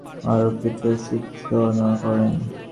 তিনি উসমানীয় সাম্রাজ্যের বিরুদ্ধে আরব বিদ্রোহের সূচনা করেন।